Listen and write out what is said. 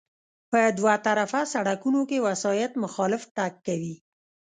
په دوه طرفه سړکونو کې وسایط مخالف تګ کوي